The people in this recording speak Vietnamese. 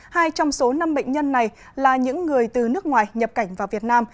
hai trong số năm bệnh nhân này là những người từ nước ngoài nhập cảnh vào việt nam